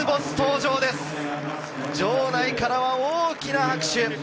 場内からは大きな拍手。